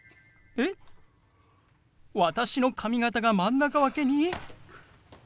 えっ私の髪形が真ん中分けに？